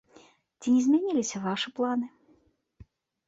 Ці не змяніліся вашы планы?